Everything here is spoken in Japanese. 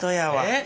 えっ？